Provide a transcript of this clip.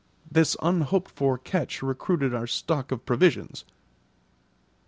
This unhoped for catch recruited our stock of provisions.